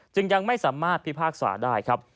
ยังไม่สามารถพิพากษาได้ครับ